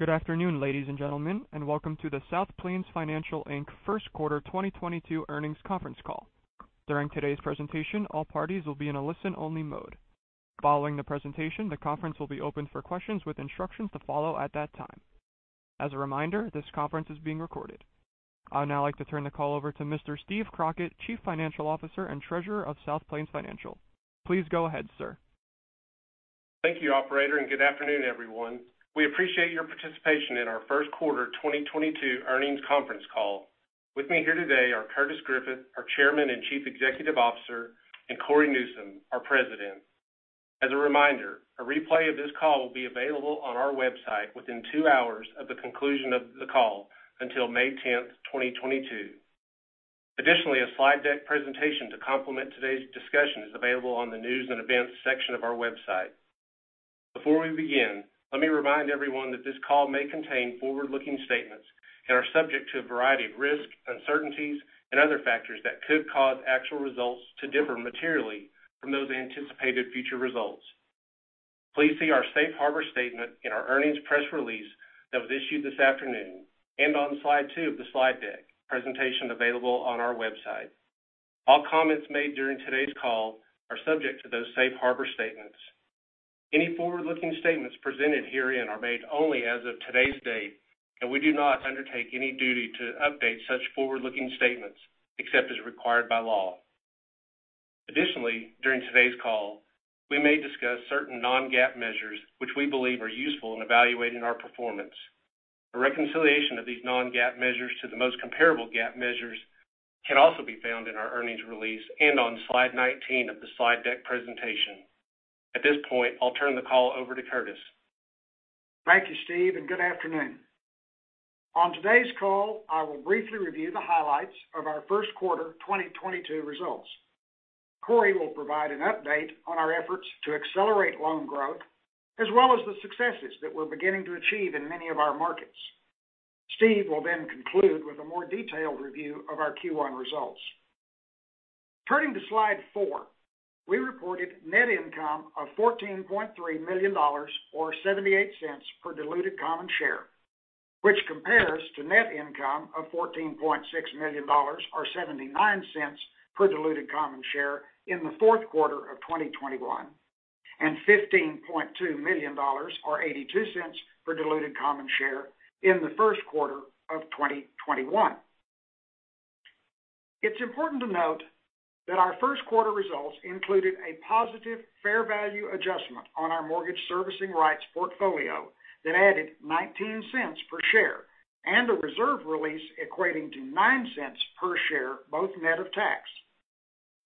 Good afternoon, ladies and gentlemen and welcome to the South Plains Financial Inc. first quarter 2022 earnings conference call. During today's presentation, all parties will be in a listen-only mode. Following the presentation, the conference will be opened for questions with instructions to follow at that time. As a reminder, this conference is being recorded. I would now like to turn the call over to Mr. Steve Crockett, Chief Financial Officer and Treasurer of South Plains Financial. Please go ahead, sir. Thank you, operator, and good afternoon, everyone. We appreciate your participation in our first quarter 2022 earnings conference call. With me here today are Curtis Griffith, our Chairman and Chief Executive Officer, and Corey Newsom, our President. As a reminder, a replay of this call will be available on our website within two hours of the conclusion of the call until May 10th, 2022. Additionally, a slide deck presentation to complement today's discussion is available on the News & Events section of our website. Before we begin, let me remind everyone that this call may contain forward-looking statements and are subject to a variety of risks, uncertainties and other factors that could cause actual results to differ materially from those anticipated future results. Please see our Safe Harbor statement in our earnings press release that was issued this afternoon and on slide two of the slide deck presentation available on our website. All comments made during today's call are subject to those Safe Harbor statements. Any forward-looking statements presented herein are made only as of today's date, and we do not undertake any duty to update such forward-looking statements, except as required by law. Additionally, during today's call, we may discuss certain non-GAAP measures which we believe are useful in evaluating our performance. A reconciliation of these non-GAAP measures to the most comparable GAAP measures can also be found in our earnings release and on slide 19 of the slide deck presentation. At this point, I'll turn the call over to Curtis. Thank you, Steve, and good afternoon. On today's call, I will briefly review the highlights of our first quarter 2022 results. Corey will provide an update on our efforts to accelerate loan growth, as well as the successes that we're beginning to achieve in many of our markets. Steve will then conclude with a more detailed review of our Q1 results. Turning to slide four, we reported net income of $14.3 million or $0.78 per diluted common share, which compares to net income of $14.6 million or $0.79 per diluted common share in the fourth quarter of 2021 and $15.2 million or $0.82 per diluted common share in the first quarter of 2021. It's important to note that our first quarter results included a positive fair value adjustment on our mortgage servicing rights portfolio that added $0.19 per share and a reserve release equating to $0.09 per share, both net of tax.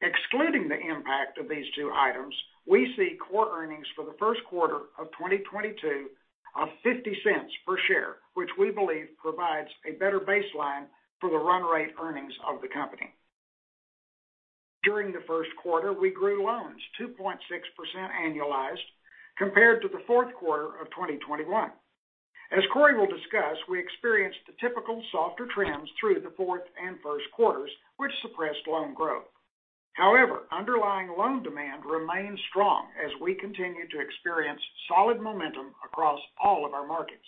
Excluding the impact of these two items, we see core earnings for the first quarter of 2022 of $0.50 per share, which we believe provides a better baseline for the run rate earnings of the company. During the first quarter, we grew loans 2.6% annualized compared to the fourth quarter of 2021. As Corey will discuss, we experienced the typical softer trends through the fourth and first quarters, which suppressed loan growth. However, underlying loan demand remains strong as we continue to experience solid momentum across all of our markets.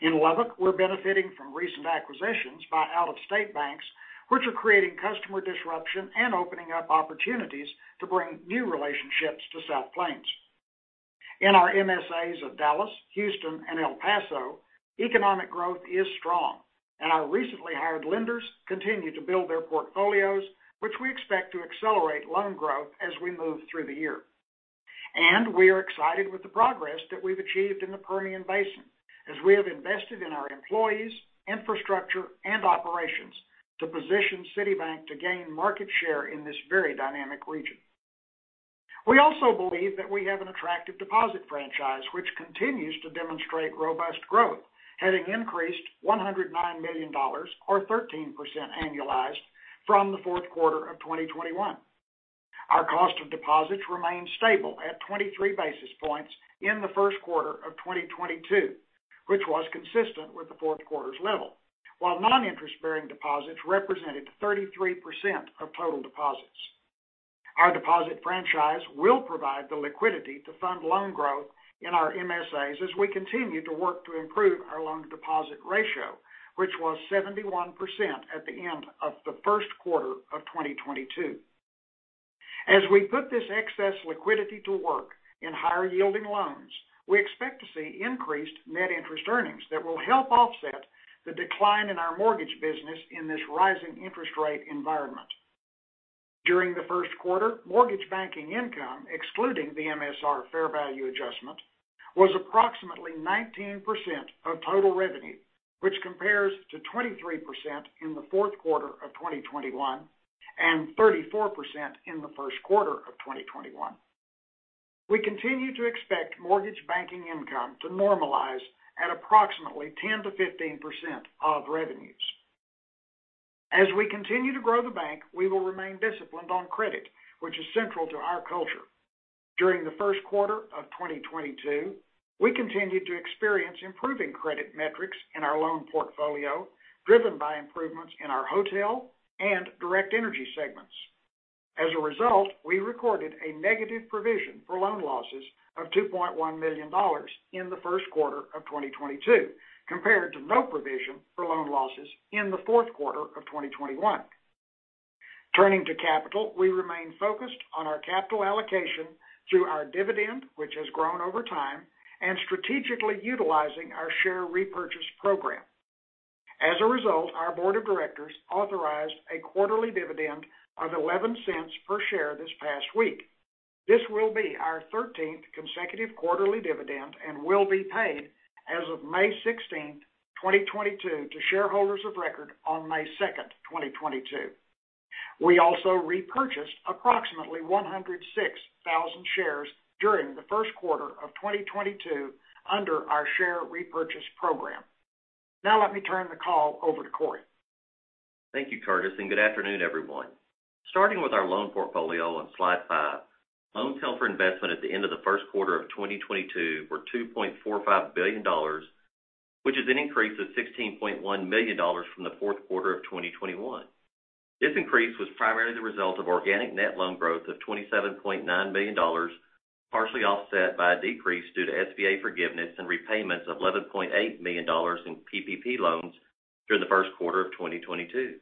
In Lubbock, we're benefiting from recent acquisitions by out-of-state banks, which are creating customer disruption and opening up opportunities to bring new relationships to South Plains. In our MSAs of Dallas, Houston and El Paso, economic growth is strong, and our recently hired lenders continue to build their portfolios, which we expect to accelerate loan growth as we move through the year. We are excited with the progress that we've achieved in the Permian Basin, as we have invested in our employees, infrastructure and operations to position City Bank to gain market share in this very dynamic region. We also believe that we have an attractive deposit franchise which continues to demonstrate robust growth, having increased $109 million or 13% annualized from the fourth quarter of 2021. Our cost of deposits remained stable at 23 basis points in the first quarter of 2022, which was consistent with the fourth quarter's level, while non-interest-bearing deposits represented 33% of total deposits. Our deposit franchise will provide the liquidity to fund loan growth in our MSAs as we continue to work to improve our loan deposit ratio, which was 71% at the end of the first quarter of 2022. As we put this excess liquidity to work in higher yielding loans, we expect to see increased net interest earnings that will help offset the decline in our mortgage business in this rising interest rate environment. During the first quarter, mortgage banking income, excluding the MSR fair value adjustment, was approximately 19% of total revenue, which compares to 23% in the fourth quarter of 2021 and 34% in the first quarter of 2021. We continue to expect mortgage banking income to normalize at approximately 10%-15% of revenues. As we continue to grow the bank, we will remain disciplined on credit, which is central to our culture. During the first quarter of 2022, we continued to experience improving credit metrics in our loan portfolio, driven by improvements in our hotel and direct energy segments. As a result, we recorded a negative provision for loan losses of $2.1 million in the first quarter of 2022, compared to no provision for loan losses in the fourth quarter of 2021. Turning to capital, we remain focused on our capital allocation through our dividend, which has grown over time, and strategically utilizing our share repurchase program. As a result, our board of directors authorized a quarterly dividend of $0.11 per share this past week. This will be our 13th consecutive quarterly dividend and will be paid as of May 16th, 2022 to shareholders of record on May 2nd, 2022. We also repurchased approximately 106,000 shares during the first quarter of 2022 under our share repurchase program. Now let me turn the call over to Corey. Thank you, Curtis, and good afternoon, everyone. Starting with our loan portfolio on slide five, loans held for investment at the end of the first quarter of 2022 were $2.45 billion, which is an increase of $16.1 million from the fourth quarter of 2021. This increase was primarily the result of organic net loan growth of $27.9 million, partially offset by a decrease due to SBA forgiveness and repayments of $11.8 million in PPP loans during the first quarter of 2022.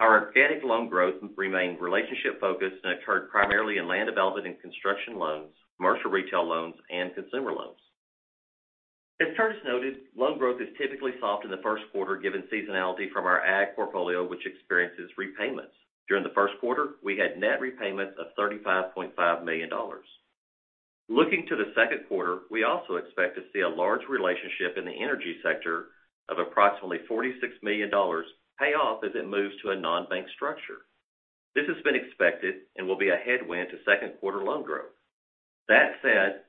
Our organic loan growth remained relationship-focused and occurred primarily in land development and construction loans, commercial retail loans, and consumer loans. As Curtis noted, loan growth is typically soft in the first quarter given seasonality from our ag portfolio, which experiences repayments. During the first quarter, we had net repayments of $35.5 million. Looking to the second quarter, we also expect to see a large relationship in the energy sector of approximately $46 million pay off as it moves to a non-bank structure. This has been expected and will be a headwind to second quarter loan growth. That said,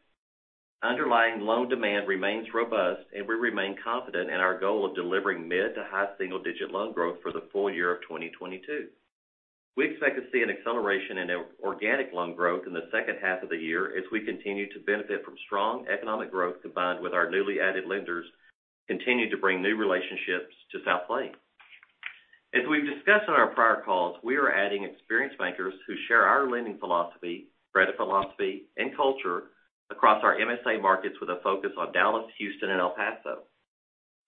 underlying loan demand remains robust and we remain confident in our goal of delivering mid- to high-single-digit loan growth for the full year of 2022. We expect to see an acceleration in organic loan growth in the second half of the year as we continue to benefit from strong economic growth combined with our newly added lenders continue to bring new relationships to South Plains. As we've discussed on our prior calls, we are adding experienced bankers who share our lending philosophy, credit philosophy, and culture across our MSA markets with a focus on Dallas, Houston, and El Paso.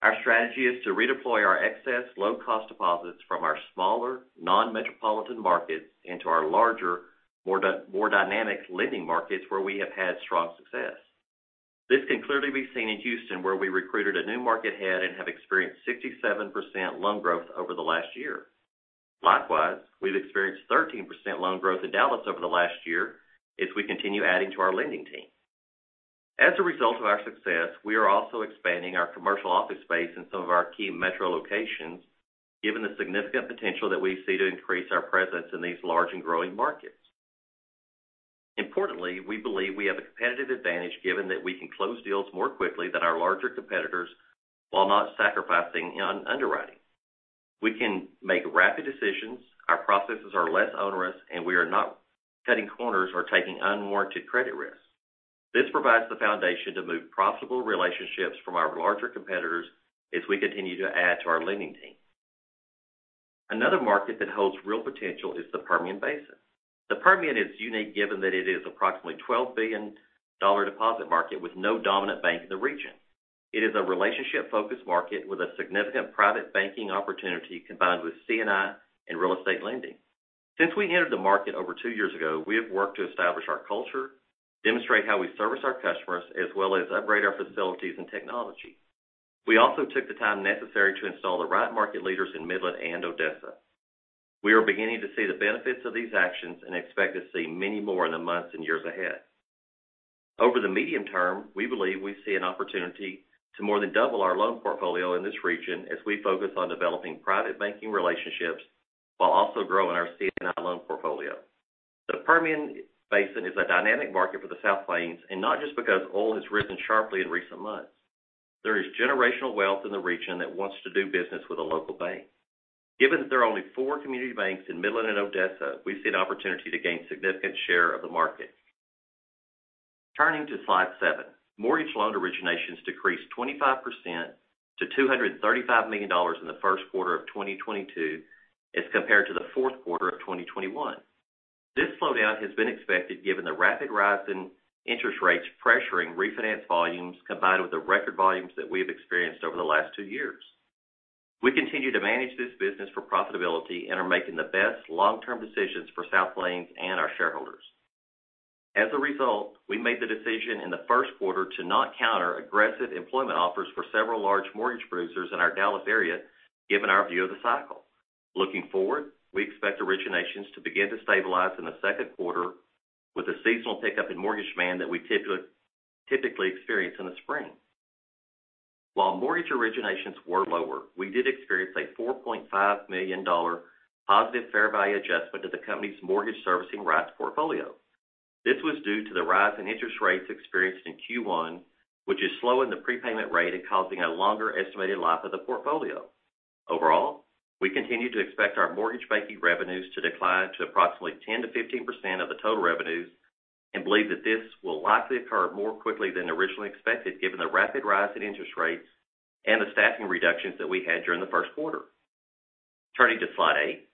Our strategy is to redeploy our excess low cost deposits from our smaller non-metropolitan markets into our larger, more dynamic lending markets, where we have had strong success. This can clearly be seen in Houston, where we recruited a new market head and have experienced 67% loan growth over the last year. Likewise, we've experienced 13% loan growth in Dallas over the last year as we continue adding to our lending team. As a result of our success, we are also expanding our commercial office space in some of our key metro locations, given the significant potential that we see to increase our presence in these large and growing markets. Importantly, we believe we have a competitive advantage given that we can close deals more quickly than our larger competitors while not sacrificing on underwriting. We can make rapid decisions, our processes are less onerous, and we are not cutting corners or taking unwarranted credit risks. This provides the foundation to move profitable relationships from our larger competitors as we continue to add to our lending team. Another market that holds real potential is the Permian Basin. The Permian is unique given that it is approximately $12 billion deposit market with no dominant bank in the region. It is a relationship-focused market with a significant private banking opportunity combined with C&I and real estate lending. Since we entered the market over two years ago, we have worked to establish our culture, demonstrate how we service our customers, as well as upgrade our facilities and technology. We also took the time necessary to install the right market leaders in Midland-Odessa. We are beginning to see the benefits of these actions and expect to see many more in the months and years ahead. Over the medium term, we believe we see an opportunity to more than double our loan portfolio in this region as we focus on developing private banking relationships while also growing our C&I loan portfolio. The Permian Basin is a dynamic market for the South Plains, and not just because oil has risen sharply in recent months. There is generational wealth in the region that wants to do business with a local bank. Given that there are only four community banks in Midland-Odessa, we see an opportunity to gain significant share of the market. Turning to slide seven. Mortgage loan originations decreased 25% to $235 million in the first quarter of 2022 as compared to the fourth quarter of 2021. This slowdown has been expected given the rapid rise in interest rates pressuring refinance volumes, combined with the record volumes that we have experienced over the last two years. We continue to manage this business for profitability and are making the best long-term decisions for South Plains and our shareholders. As a result, we made the decision in the first quarter to not counter aggressive employment offers for several large mortgage producers in our Dallas area given our view of the cycle. Looking forward, we expect originations to begin to stabilize in the second quarter with a seasonal pickup in mortgage demand that we typically experience in the spring. While mortgage originations were lower, we did experience a $4.5 million positive fair value adjustment to the company's mortgage servicing rights portfolio. This was due to the rise in interest rates experienced in Q1, which is slowing the prepayment rate and causing a longer estimated life of the portfolio. Overall, we continue to expect our mortgage banking revenues to decline to approximately 10%-15% of the total revenues and believe that this will likely occur more quickly than originally expected, given the rapid rise in interest rates and the staffing reductions that we had during the first quarter. Turning to slide eight.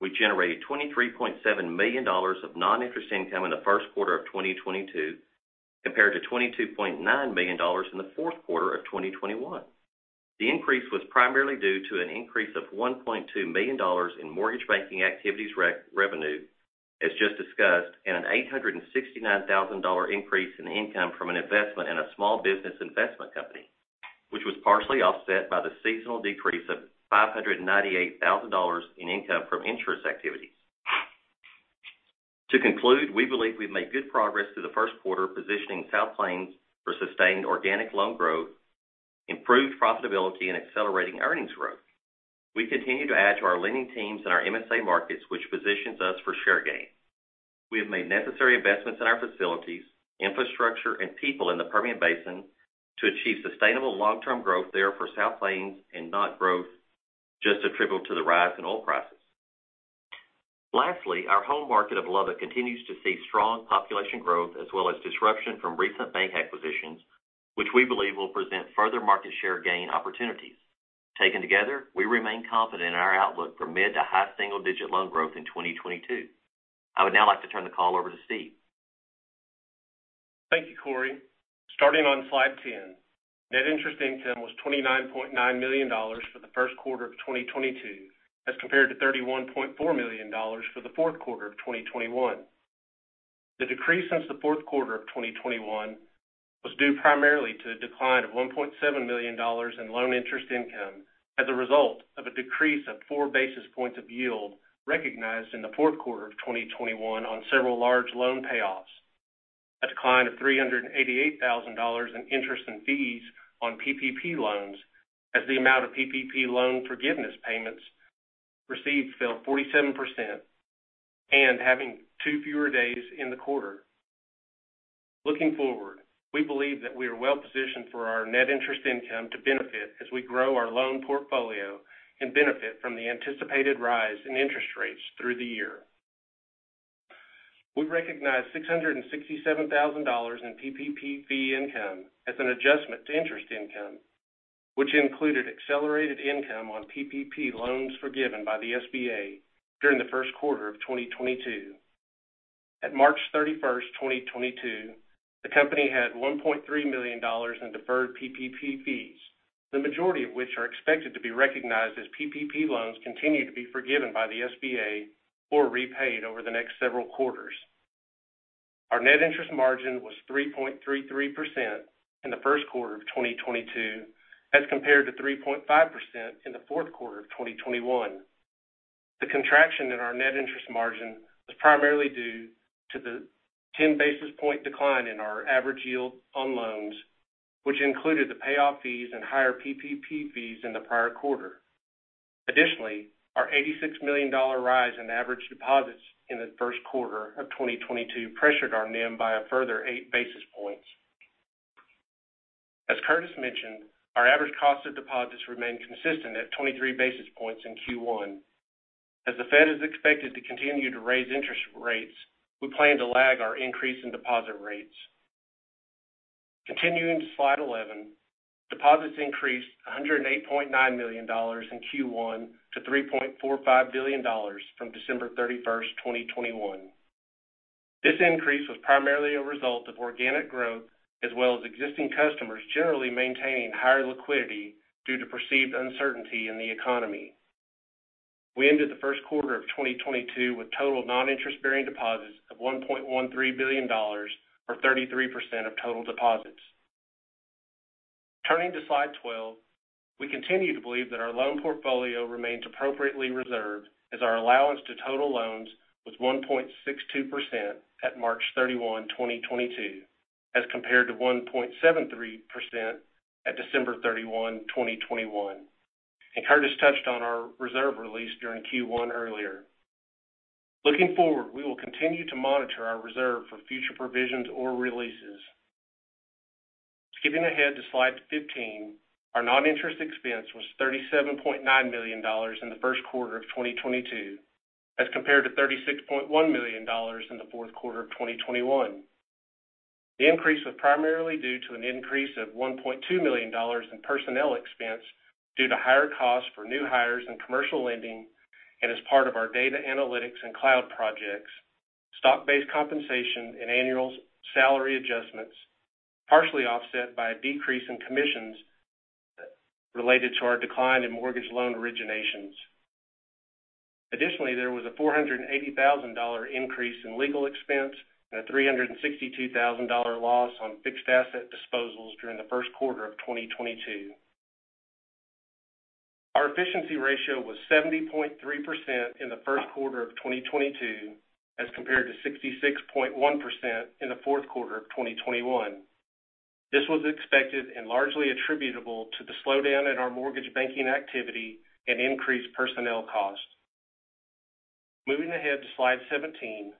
We generated $23.7 million of non-interest income in the first quarter of 2022, compared to $22.9 million in the fourth quarter of 2021. The increase was primarily due to an increase of $1.2 million in mortgage banking activities revenue, as just discussed, and an $869,000 increase in income from an investment in a small business investment company, which was partially offset by the seasonal decrease of $598,000 in income from interest activities. To conclude, we believe we've made good progress through the first quarter, positioning South Plains for sustained organic loan growth, improved profitability, and accelerating earnings growth. We continue to add to our lending teams in our MSA markets, which positions us for share gain. We have made necessary investments in our facilities, infrastructure, and people in the Permian Basin to achieve sustainable long-term growth there for South Plains and not growth just attributable to the rise in oil prices. Lastly, our home market of Lubbock continues to see strong population growth as well as disruption from recent bank acquisitions, which we believe will present further market share gain opportunities. Taken together, we remain confident in our outlook for mid- to high single-digit loan growth in 2022. I would now like to turn the call over to Steve. Thank you, Corey. Starting on slide 10, net interest income was $29.9 million for the first quarter of 2022, as compared to $31.4 million for the fourth quarter of 2021. The decrease since the fourth quarter of 2021 was due primarily to a decline of $1.7 million in loan interest income as a result of a decrease of 4 basis points of yield recognized in the fourth quarter of 2021 on several large loan payoffs, a decline of $388,000 in interest and fees on PPP loans, as the amount of PPP loan forgiveness payments received fell 47% and having two fewer days in the quarter. Looking forward, we believe that we are well positioned for our net interest income to benefit as we grow our loan portfolio and benefit from the anticipated rise in interest rates through the year. We recognized $667,000 in PPP fee income as an adjustment to interest income, which included accelerated income on PPP loans forgiven by the SBA during the first quarter of 2022. At March 31st, 2022, the company had $1.3 million in deferred PPP fees, the majority of which are expected to be recognized as PPP loans continue to be forgiven by the SBA or repaid over the next several quarters. Our net interest margin was 3.33% in the first quarter of 2022 as compared to 3.5% in the fourth quarter of 2021. The contraction in our net interest margin was primarily due to the 10 basis points decline in our average yield on loans, which included the payoff fees and higher PPP fees in the prior quarter. Additionally, our $86 million rise in average deposits in the first quarter of 2022 pressured our NIM by a further 8 basis points. As Curtis mentioned, our average cost of deposits remained consistent at 23 basis points in Q1. As the Fed is expected to continue to raise interest rates, we plan to lag our increase in deposit rates. Continuing to slide 11, deposits increased $108.9 million in Q1 to $3.45 billion from December 31st, 2021. This increase was primarily a result of organic growth as well as existing customers generally maintaining higher liquidity due to perceived uncertainty in the economy. We ended the first quarter of 2022 with total non-interest-bearing deposits of $1.13 billion or 33% of total deposits. Turning to slide 12. We continue to believe that our loan portfolio remains appropriately reserved as our allowance to total loans was 1.62% at March 31, 2022, as compared to 1.73% at December 31, 2021. Curtis touched on our reserve release during Q1 earlier. Looking forward, we will continue to monitor our reserve for future provisions or releases. Skipping ahead to slide 15. Our non-interest expense was $37.9 million in the first quarter of 2022, as compared to $36.1 million in the fourth quarter of 2021. The increase was primarily due to an increase of $1.2 million in personnel expense due to higher costs for new hires in commercial lending and as part of our data analytics and cloud projects, stock-based compensation and annual salary adjustments, partially offset by a decrease in commissions related to our decline in mortgage loan originations. Additionally, there was a $480,000 increase in legal expense and a $362,000 loss on fixed asset disposals during the first quarter of 2022. Our efficiency ratio was 70.3% in the first quarter of 2022 as compared to 66.1% in the fourth quarter of 2021. This was expected and largely attributable to the slowdown in our mortgage banking activity and increased personnel costs. Moving ahead to slide 17.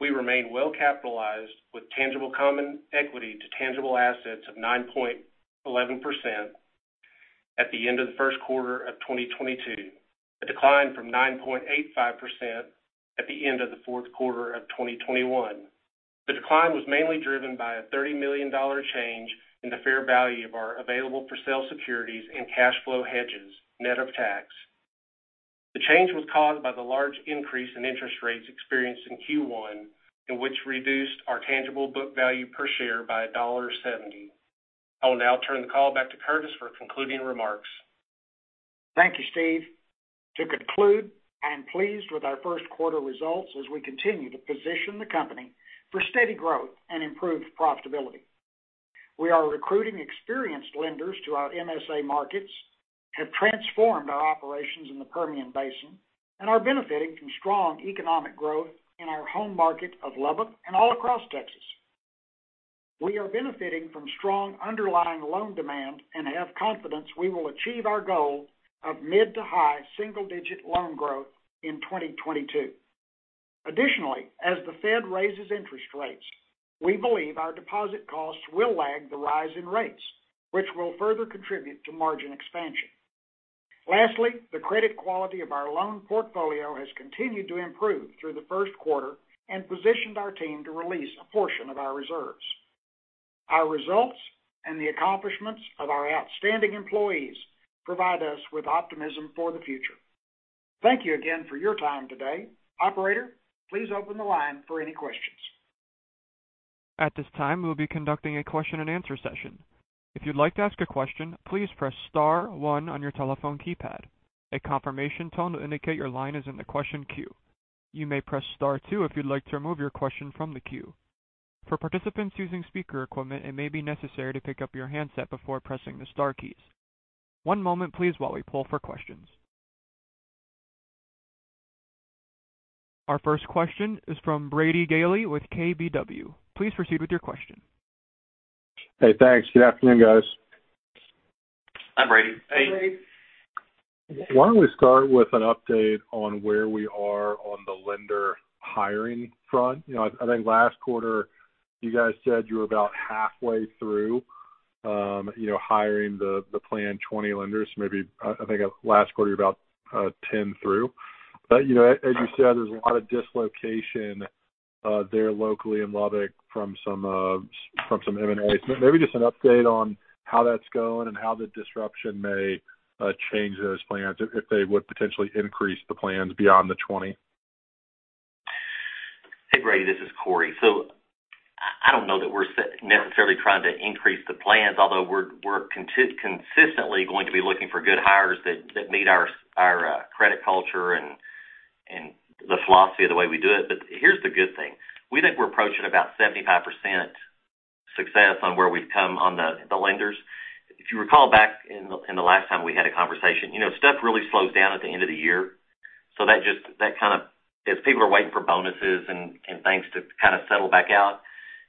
We remain well capitalized with tangible common equity to tangible assets of 9.11% at the end of the first quarter of 2022, a decline from 9.85% at the end of the fourth quarter of 2021. The decline was mainly driven by a $30 million change in the fair value of our available-for-sale securities and cash flow hedges, net of tax. The change was caused by the large increase in interest rates experienced in Q1, which reduced our tangible book value per share by $1.70. I will now turn the call back to Curtis for concluding remarks. Thank you, Steve. To conclude, I am pleased with our first quarter results as we continue to position the company for steady growth and improved profitability. We are recruiting experienced lenders to our MSA markets, have transformed our operations in the Permian Basin, and are benefiting from strong economic growth in our home market of Lubbock and all across Texas. We are benefiting from strong underlying loan demand and have confidence we will achieve our goal of mid to high single-digit loan growth in 2022. Additionally, as the Fed raises interest rates, we believe our deposit costs will lag the rise in rates, which will further contribute to margin expansion. Lastly, the credit quality of our loan portfolio has continued to improve through the first quarter and positioned our team to release a portion of our reserves. Our results and the accomplishments of our outstanding employees provide us with optimism for the future. Thank you again for your time today. Operator, please open the line for any questions. Our first question is from Brady Gailey with KBW. Please proceed with your question. Hey, thanks. Good afternoon, guys. Hi, Brady. Hey. Why don't we start with an update on where we are on the lender hiring front? You know, I think last quarter, you guys said you were about halfway through, you know, hiring the planned 20 lenders, maybe, I think last quarter, you're about 10 through. You know, as you said, there's a lot of dislocation there locally in Lubbock from some M&As. Maybe just an update on how that's going and how the disruption may change those plans if they would potentially increase the plans beyond the 20. Hey, Brady, this is Corey. I don't know that we're necessarily trying to increase the plans, although we're consistently going to be looking for good hires that meet our credit culture and the philosophy of the way we do it. Here's the good thing. We think we're approaching about 75% success on where we've come on the lenders. If you recall back in the last time we had a conversation, you know, stuff really slows down at the end of the year. That kind of as people are waiting for bonuses and things to kind of settle back out,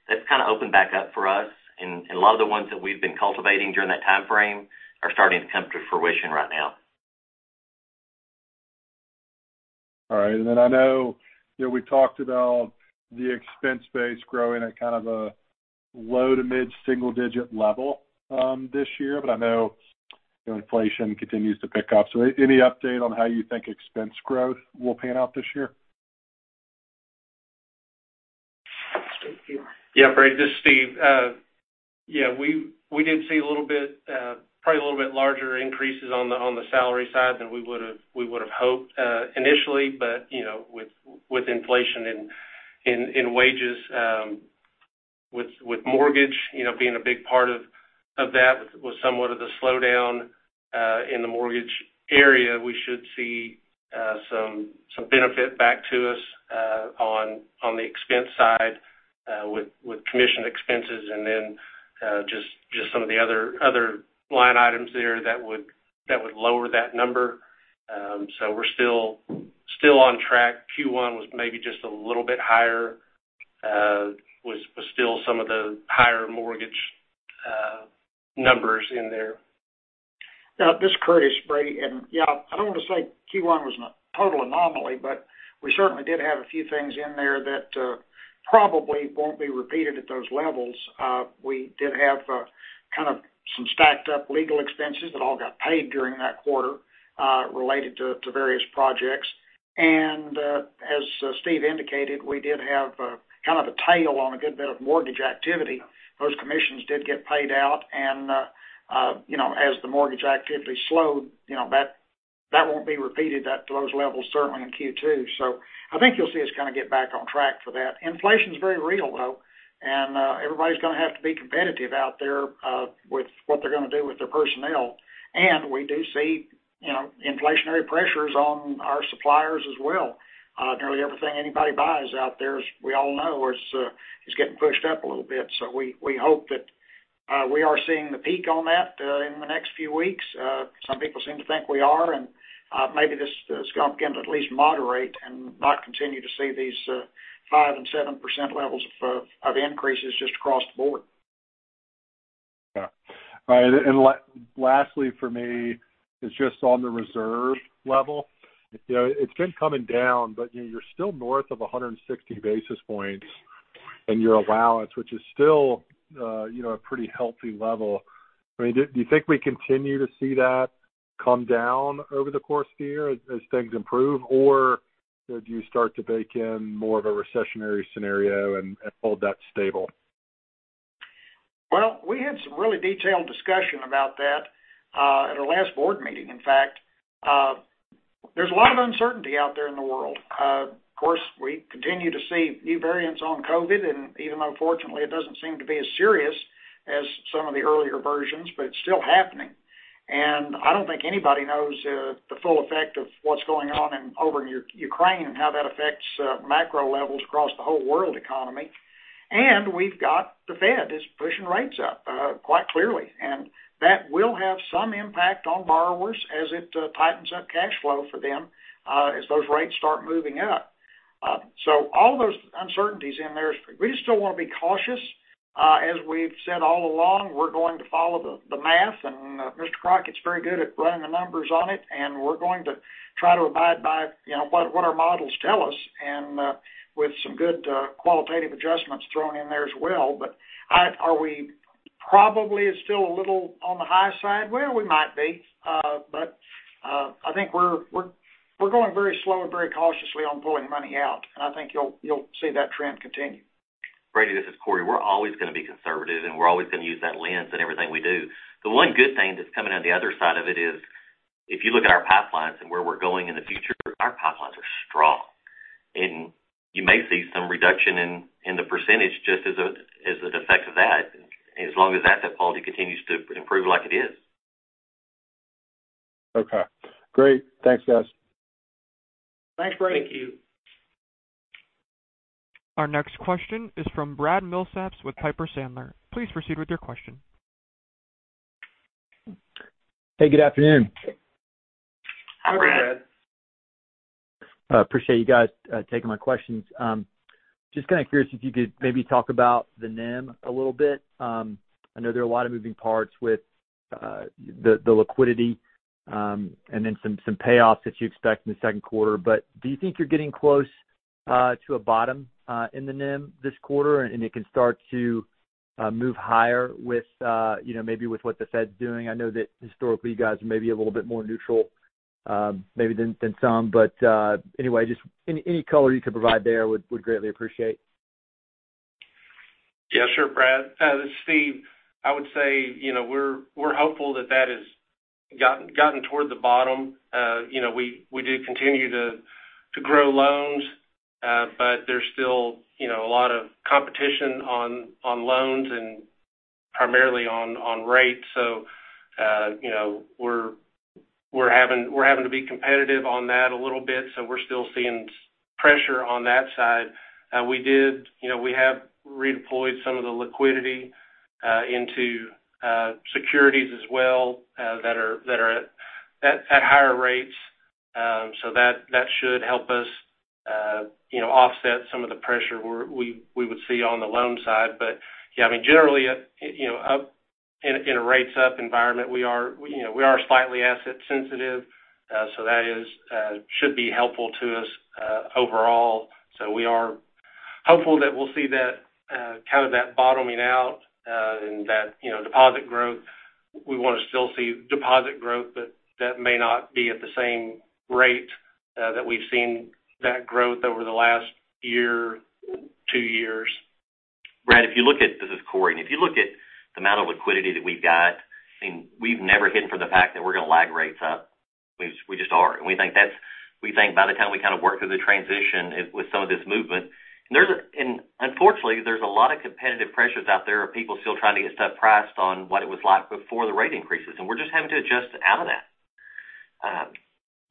that's kind of opened back up for us. A lot of the ones that we've been cultivating during that timeframe are starting to come to fruition right now. All right. Then I know, you know, we talked about the expense base growing at kind of a low to mid-single digit level, this year, but I know, you know, inflation continues to pick up. Any update on how you think expense growth will pan out this year? Steve, you want to. Yeah, Brady, this is Steve. Yeah, we did see a little bit probably a little bit larger increases on the salary side than we would've hoped initially, but you know, with inflation in wages, with mortgage you know, being a big part of that with somewhat of the slowdown in the mortgage area, we should see some benefit back to us on the expense side with commission expenses and then just some of the other line items there that would lower that number. So we're still on track. Q1 was maybe just a little bit higher with still some of the higher mortgage numbers in there. Now, this is Curtis, Brady. Yeah, I don't want to say Q1 was a total anomaly, but we certainly did have a few things in there that probably won't be repeated at those levels. We did have kind of some stacked up legal expenses that all got paid during that quarter related to various projects. As Steve indicated, we did have kind of a tail on a good bit of mortgage activity. Those commissions did get paid out and you know, as the mortgage activity slowed, you know, that won't be repeated at those levels certainly in Q2. I think you'll see us kind of get back on track for that. Inflation is very real, though, and everybody's going to have to be competitive out there with what they're going to do with their personnel. We do see, you know, inflationary pressures on our suppliers as well. Nearly everything anybody buys out there, as we all know, is getting pushed up a little bit. We hope that we are seeing the peak on that in the next few weeks. Some people seem to think we are, and maybe this is going to begin to at least moderate and not continue to see these 5% and 7% levels of increases just across the board. Yeah. All right. Lastly for me is just on the reserve level. You know, it's been coming down, but, you know, you're still north of 160 basis points. Your allowance, which is still, you know, a pretty healthy level. I mean, do you think we continue to see that come down over the course of the year as things improve? Or do you start to bake in more of a recessionary scenario and hold that stable? Well, we had some really detailed discussion about that at our last board meeting. In fact, there's a lot of uncertainty out there in the world. Of course, we continue to see new variants on COVID, and even though fortunately it doesn't seem to be as serious as some of the earlier versions, but it's still happening. I don't think anybody knows the full effect of what's going on over in Ukraine and how that affects macro levels across the whole world economy. We've got the Fed is pushing rates up quite clearly. That will have some impact on borrowers as it tightens up cash flow for them as those rates start moving up. All those uncertainties in there, we still wanna be cautious. As we've said all along, we're going to follow the math, and Mr. Crockett's very good at running the numbers on it, and we're going to try to abide by, you know, what our models tell us, and with some good qualitative adjustments thrown in there as well. Are we probably still a little on the high side? Well, we might be. I think we're going very slowly, very cautiously on pulling money out, and I think you'll see that trend continue. Brady, this is Corey. We're always gonna be conservative, and we're always gonna use that lens in everything we do. The one good thing that's coming out of the other side of it is, if you look at our pipelines and where we're going in the future, our pipelines are strong. You may see some reduction in the percentage just as an effect of that, as long as asset quality continues to improve like it is. Okay. Great. Thanks, guys. Thanks, Brady. Thank you. Our next question is from Brad Milsaps with Piper Sandler. Please proceed with your question. Hey, good afternoon. Hi, Brad. Good morning, Brad. I appreciate you guys taking my questions. Just kinda curious if you could maybe talk about the NIM a little bit. I know there are a lot of moving parts with the liquidity and then some payoffs that you expect in the second quarter. Do you think you're getting close to a bottom in the NIM this quarter, and it can start to move higher with you know, maybe with what the Fed's doing? I know that historically, you guys may be a little bit more neutral maybe than some. Anyway, just any color you could provide there, we'd greatly appreciate. Yeah, sure, Brad. This is Steve. I would say, you know, we're hopeful that that has gotten toward the bottom. You know, we do continue to grow loans, but there's still, you know, a lot of competition on loans and primarily on rates. So, you know, we're having to be competitive on that a little bit, so we're still seeing pressure on that side. We did, you know, we have redeployed some of the liquidity into securities as well, that are at higher rates. So that should help us, you know, offset some of the pressure we would see on the loan side. Yeah, I mean, generally, you know, in a rates up environment, we are, you know, slightly asset sensitive, so that should be helpful to us overall. We are hopeful that we'll see that kind of bottoming out and that, you know, deposit growth. We wanna still see deposit growth, but that may not be at the same rate that we've seen that growth over the last year, two years. Brad, this is Corey. If you look at the amount of liquidity that we've got, I mean, we've never hidden from the fact that we're gonna lag rates up. We just are. We think by the time we kind of work through the transition with some of this movement. Unfortunately, there's a lot of competitive pressures out there of people still trying to get stuff priced on what it was like before the rate increases, and we're just having to adjust out of that.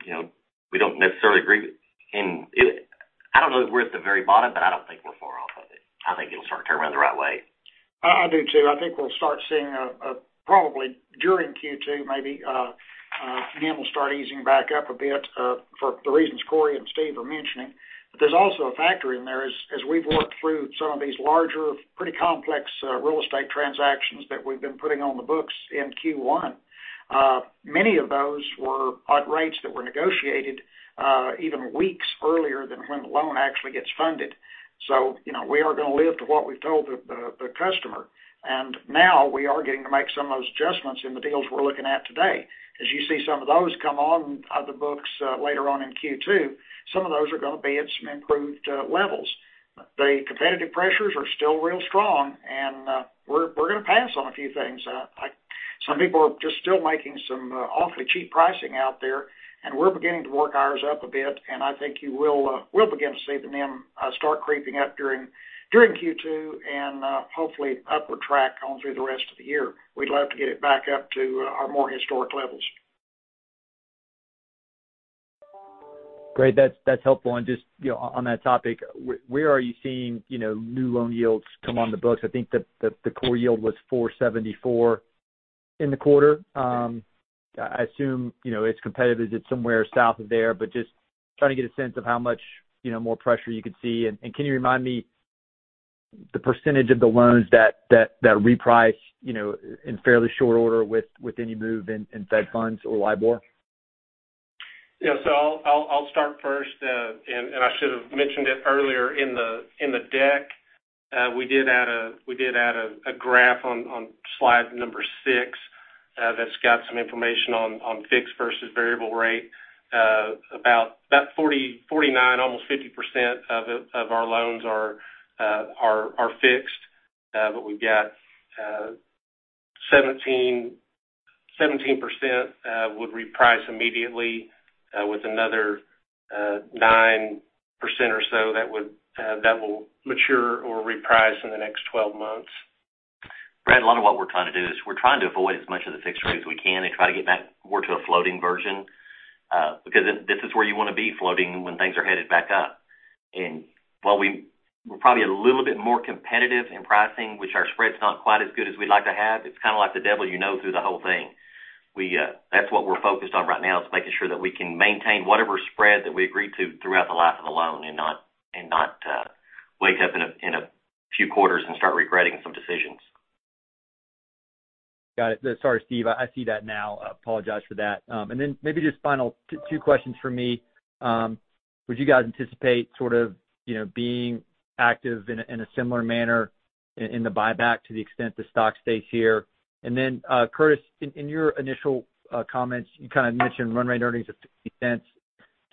You know, we don't necessarily agree. I don't know if we're at the very bottom, but I don't think we're far off of it. I think it'll start to turn around the right way. I do too. I think we'll start seeing probably during Q2, maybe, NIM will start easing back up a bit for the reasons Corey and Steve are mentioning. There's also a factor in there as we've worked through some of these larger, pretty complex real estate transactions that we've been putting on the books in Q1. Many of those were at rates that were negotiated even weeks earlier than when the loan actually gets funded. You know, we are gonna live to what we've told the customer. Now we are getting to make some of those adjustments in the deals we're looking at today. As you see some of those come on the books later on in Q2, some of those are gonna be at some improved levels. The competitive pressures are still real strong, and we're gonna pass on a few things. Some people are just still making some awfully cheap pricing out there, and we're beginning to work ours up a bit, and I think you will begin to see the NIM start creeping up during Q2 and hopefully upward track on through the rest of the year. We'd love to get it back up to our more historic levels. Great. That's helpful. Just, you know, on that topic, where are you seeing, you know, new loan yields come on the books? I think the core yield was 4.74% in the quarter. I assume, you know, it's competitive, it's somewhere south of there. Just trying to get a sense of how much, you know, more pressure you could see. Can you remind me the percentage of the loans that reprice, you know, in fairly short order with any move in Fed funds or LIBOR? Yeah. I'll start first, and I should have mentioned it earlier in the deck. We did add a graph on slide number six that's got some information on fixed versus variable rate. About 49%, almost 50% of our loans are fixed, but we've got 17% would reprice immediately, with another 9% or so that will mature or reprice in the next 12 months. Brad, a lot of what we're trying to do is we're trying to avoid as much of the fixed rate as we can and try to get back more to a floating version, because this is where you wanna be floating when things are headed back up. While we're probably a little bit more competitive in pricing, which our spread's not quite as good as we'd like to have, it's kind of like the devil you know through the whole thing. That's what we're focused on right now is making sure that we can maintain whatever spread that we agree to throughout the life of the loan and not wake up in a few quarters and start regretting some decisions. Got it. Sorry, Steve. I see that now. I apologize for that. And then maybe just final two questions from me. Would you guys anticipate sort of, you know, being active in a similar manner in the buyback to the extent the stock stays here? Curtis, in your initial comments, you kind of mentioned run rate earnings of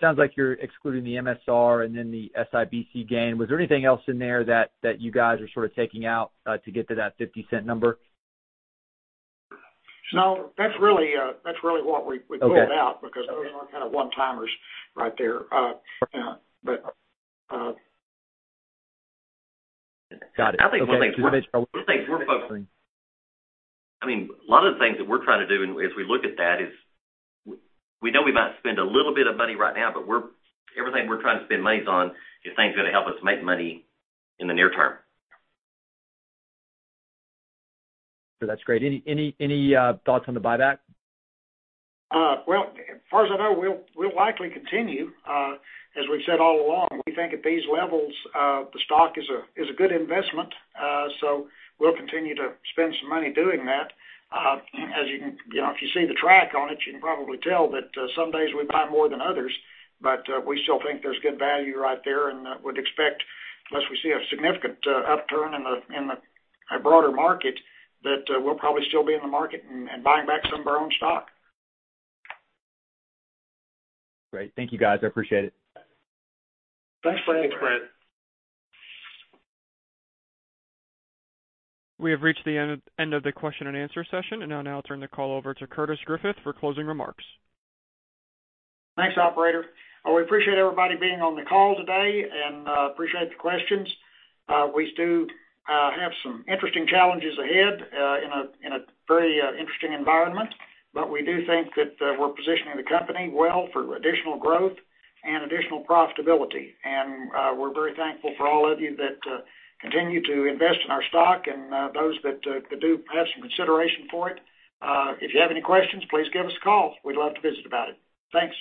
$0.50. Sounds like you're excluding the MSR and then the SBIC gain. Was there anything else in there that you guys are sort of taking out to get to that $0.50 number? No, that's really what we pulled out. Okay. Because those are kind of one-timers right there. Got it. Okay. I think one thing we're both. I mean, a lot of the things that we're trying to do and as we look at that is we know we might spend a little bit of money right now, but everything we're trying to spend money on is things that'll help us make money in the near term. That's great. Any thoughts on the buyback? Well, as far as I know, we'll likely continue. As we've said all along, we think at these levels, the stock is a good investment. We'll continue to spend some money doing that. You know, if you see the chart on it, you can probably tell that some days we buy more than others, but we still think there's good value right there and would expect, unless we see a significant upturn in the broader market, that we'll probably still be in the market and buying back some of our own stock. Great. Thank you, guys. I appreciate it. Thanks, Brad. Thanks. We have reached the end of the question-and-answer session. I'll now turn the call over to Curtis Griffith for closing remarks. Thanks, operator. We appreciate everybody being on the call today, and appreciate the questions. We do have some interesting challenges ahead in a very interesting environment. We do think that we're positioning the company well for additional growth and additional profitability. We're very thankful for all of you that continue to invest in our stock and those that do have some consideration for it. If you have any questions, please give us a call. We'd love to visit about it. Thanks.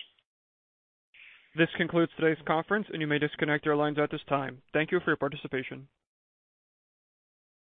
This concludes today's conference, and you may disconnect your lines at this time. Thank you for your participation.